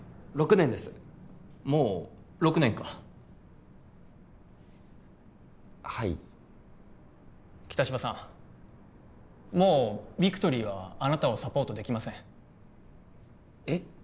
６年ですもう６年かはい北芝さんもうビクトリーはあなたをサポートできませんえっ？